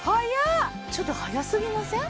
ちょっと早すぎません？